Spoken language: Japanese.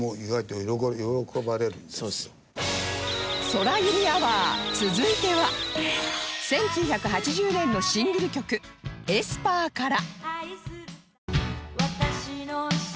空ユミアワー続いては１９８０年のシングル曲『ＥＳＰＥＲ』から